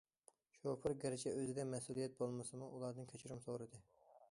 شوپۇر گەرچە ئۆزىدە مەسئۇلىيەت بولمىسىمۇ، ئۇلاردىن كەچۈرۈم سورىدى.